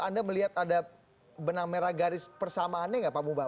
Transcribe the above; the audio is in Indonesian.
anda melihat ada benang merah garis persamaannya nggak pak mubah